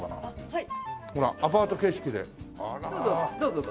はい。